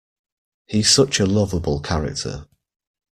He's such a lovable character.